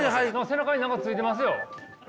背中に何かついてますよ。